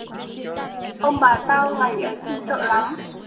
Ông bà tao ngày ấy thì sợ lắm